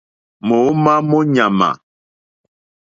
Mǒómá mó ɲàmà.